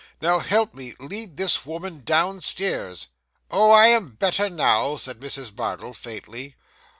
'Now help me, lead this woman downstairs.' 'Oh, I am better now,' said Mrs. Bardell faintly.